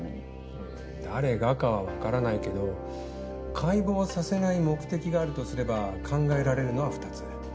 うん誰がかはわからないけど解剖をさせない目的があるとすれば考えられるのは２つ。